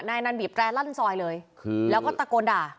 นายอนันต์บีบแปรรั่นซอยเลยคือแล้วก็ตะโกนด่า